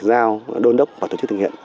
giao đôn đốc vào tổ chức thực hiện